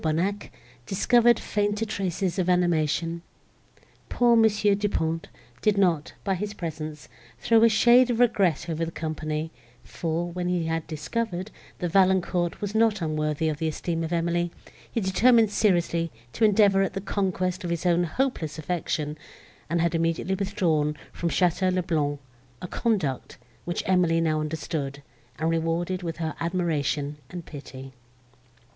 Bonnac, discovered fainter traces of animation. Poor Mons. Du Pont did not, by his presence, throw a shade of regret over the company; for, when he had discovered, that Valancourt was not unworthy of the esteem of Emily, he determined seriously to endeavour at the conquest of his own hopeless affection, and had immediately withdrawn from Château le Blanc—a conduct, which Emily now understood, and rewarded with her admiration and pity.